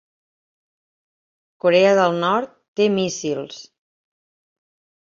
Corea del Nord té míssils